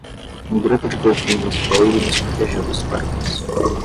Um grupo de golfinhos veio e nos protegeu dos tubarões.